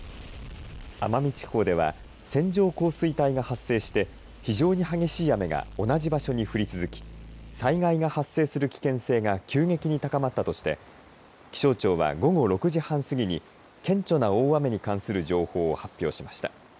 奄美地方では線状降水帯が発生して非常に激しい雨が同じ場所に降り続き災害が発生する危険性が急激に高まったとして気象庁は午後６時半過ぎに顕著な大雨に関する情報を発表しました。